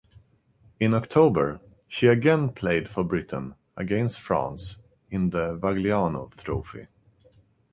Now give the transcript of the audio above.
In October she again played for Britain against France in the Vagliano Trophy.